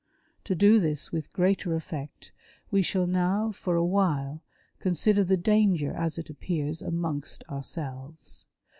To do this Avith greater effect we shall now, for awhile, consider the danger as it appears amongst ourselves.